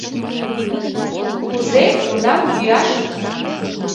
— Кузе, кунам йӱаш?